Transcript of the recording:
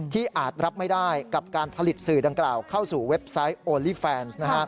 อาจรับไม่ได้กับการผลิตสื่อดังกล่าวเข้าสู่เว็บไซต์โอลี่แฟน